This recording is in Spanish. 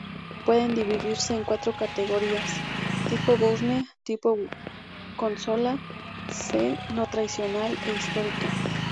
Pueden dividirse en cuatro categorías: tipo Bourne, tipo consola C, no tradicional e histórica.